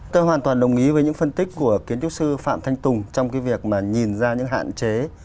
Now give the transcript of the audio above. tôi hoàn toàn đồng ý với những phân tích của kiến trúc sư phạm thanh tùng trong cái việc mà nhìn ra những hạn chế